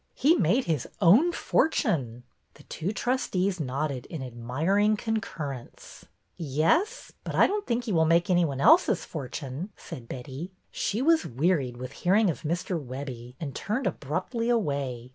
He made his own fortune." The two trustees nodded in admiring con currence. "Yes? But I don't think he will make any one else's fortune," said Betty. She was wearied with hearing of Mr. Webbie, and turned abruptly away.